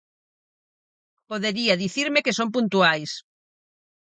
Podería dicirme que son puntuais.